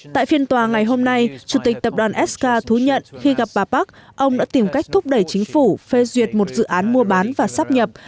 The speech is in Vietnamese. tại phiên tòa ngày hôm nay chủ tịch tập đoàn sk thú nhận khi gặp bà park ông đã tìm cách thúc đẩy chính phủ phê duyệt một dự án mua bán và sắp nhập